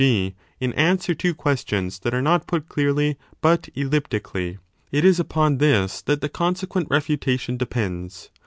g. in answer to questions that are not put clearly but elliptically 40 it is upon this that the consequent refutation depends.